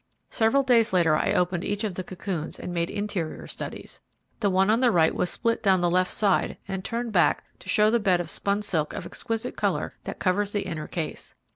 Several days later I opened each of the cocoons and made interior studies. The one on the right was split down the left side and turned back to show the bed of spun silk of exquisite colour that covers the inner case.